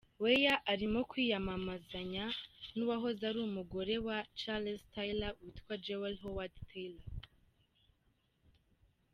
Weah arimo kwiyamamazanya n’uwahoze ari umugore wa Charles Taylor, witwa Jewel Howard Taylor.